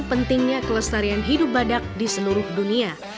pentingnya kelestarian hidup badak di seluruh dunia